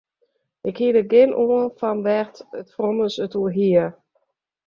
Ik hie der gjin aan fan wêr't it frommes it oer hie.